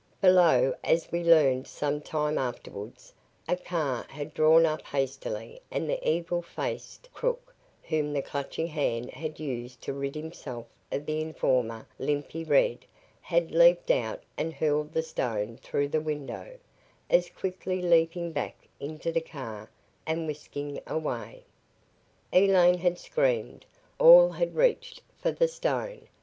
Below, as we learned some time afterwards, a car had drawn up hastily and the evil faced crook whom the Clutching Hand had used to rid himself of the informer, "Limpy Red," had leaped out and hurled the stone through the window, as quickly leaping back into the car and whisking away. Elaine had screamed. All had reached for the stone.